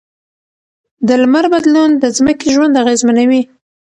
د لمر بدلون د ځمکې ژوند اغېزمنوي.